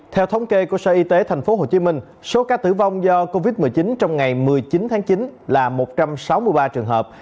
theo thống kê của sở y tế tp hcm số ca tử vong do covid một mươi chín trong ngày một mươi chín tháng chín là một trăm sáu mươi ba trường hợp